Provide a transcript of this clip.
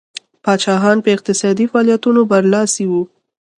پاچاهان په اقتصادي فعالیتونو برلاسي وو.